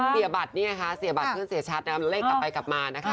เสียบัตรเนี่ยค่ะเสียบัตรขึ้นเสียชัดแล้วเลขกลับไปกลับมานะคะ